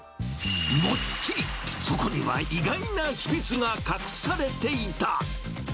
もっちり、そこには意外な秘密が隠されていた。